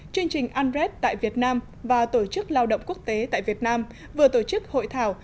chương trình andres tại việt nam và tổ chức lao động quốc tế tại việt nam vừa tổ chức hội thảo